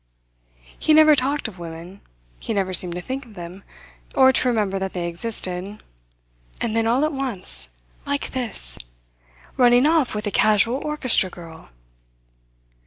He never talked of women, he never seemed to think of them, or to remember that they existed; and then all at once like this! Running off with a casual orchestra girl!